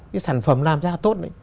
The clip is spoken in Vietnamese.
cái sản phẩm làm ra tốt